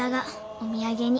お土産に。